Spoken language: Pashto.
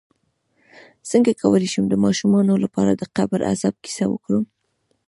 څنګه کولی شم د ماشومانو لپاره د قبر عذاب کیسه وکړم